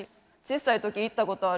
ちっさい時行ったことあるわ。